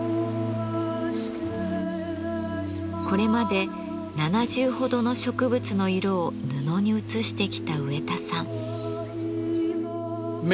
これまで７０ほどの植物の色を布にうつしてきた植田さん。